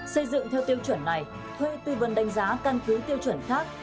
xây dựng theo tiêu chuẩn này thuê tư vấn đánh giá căn cứ tiêu chuẩn khác